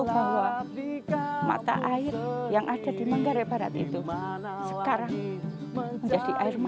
karena ternyata sungguh bahwa mata air yang ada di manggarai barat itu sekarang menjadi air mata untuk kami perempuan